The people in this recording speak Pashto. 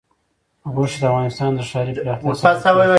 غوښې د افغانستان د ښاري پراختیا سبب کېږي.